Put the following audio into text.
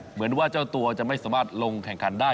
เหมือนว่าเจ้าตัวจะไม่สามารถลงแข่งขันได้